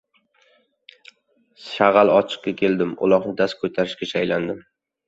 Sag‘al ochiqqa keldim. Uloqni dast ko‘tarishga shaylandim.